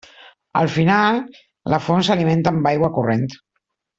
Al final la font s'alimentà amb aigua corrent.